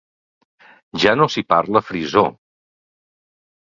Ja no s'hi parla frisó.